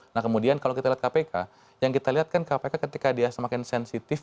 nah kemudian kalau kita lihat kpk yang kita lihat kan kpk ketika dia semakin sensitif